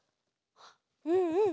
うんうん。